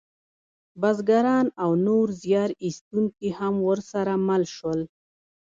بزګران او نور زیار ایستونکي هم ورسره مل شول.